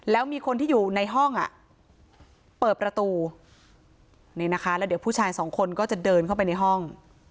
แล้วมีคนที่อยู่ในห้องอ่ะเปิดประตูนี่นะคะแล้วเดี๋ยวผู้ชายสองคนก็จะเดินเข้าไปในห้อง